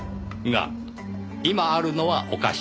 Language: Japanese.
が今あるのはおかしい。